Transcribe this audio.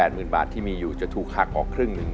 หมื่นบาทที่มีอยู่จะถูกหักออกครึ่งหนึ่ง